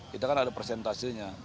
kita kan ada persentasinya